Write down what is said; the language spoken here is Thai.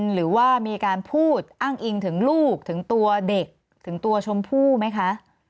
หรือว่ามีการพูดอ้างอิงถึงลูกถึงตัวเด็กถึงตัวชมพู่ไหมคะ